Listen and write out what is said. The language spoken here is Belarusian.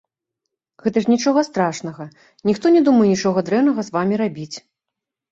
Гэта ж нічога страшнага, ніхто не думае нічога дрэннага з вамі рабіць.